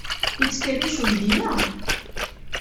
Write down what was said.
Yettkerric uydi-a?